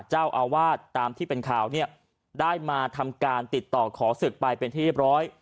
เจ้าอาวาสตามที่เป็นข่าวเนี่ยได้มาทำการติดต่อขอศึกไปเป็นที่เรียบร้อย